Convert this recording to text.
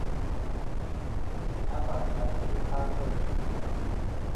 Timi abàs a dzɨ afêyn.